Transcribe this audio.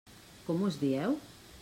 Com us dieu?